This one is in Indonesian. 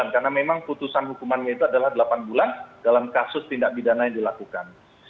karena memang putusan hukumannya itu adalah delapan bulan dalam kasus tindak bidana yang dilakukan